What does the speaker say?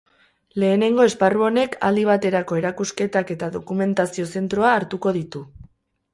Lehenengo esparru honek aldi baterako erakusketak eta dokumentazio-zentroa hartuko ditu.